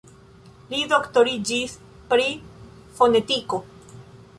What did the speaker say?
Li doktoriĝis pri fonetiko.